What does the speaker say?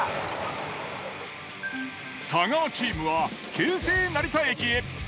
太川チームは京成成田駅へ。